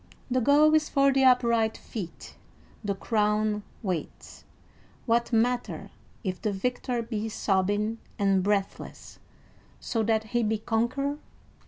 The goal is for the upright feet. The crown waits.... What matter if the victor be sobbing and breathless, so that he be conqueror?"